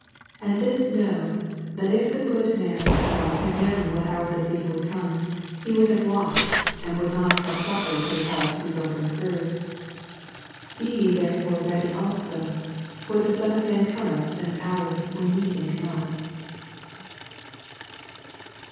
39 And this know, that if the good man of the house had known what hour the thief would come, he would have watched, and not have suffered his house to be broken through. 40 Be ye therefore ready also ; for the Son of man cometh at an hoax when ye think not.